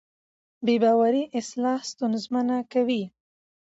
بې باورۍ اصلاح ستونزمنه کوي